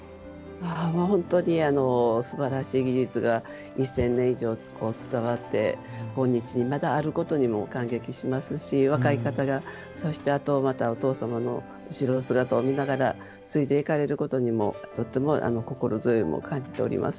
本当にすばらしい技術が１，０００年以上伝わって今日にまだあることにも感激しますし若い方がそしてまたお父様の後ろ姿を見ながら継いでいかれることにもとても心強いものを感じております。